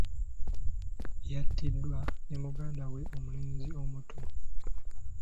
Yattiddwa ne muganda we omulenzi omuto.